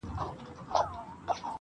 نه يوه بل ته په زور تسليمېدله-